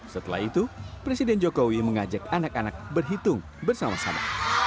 setelah itu presiden jokowi mengajak anak anak berhitung bersama sama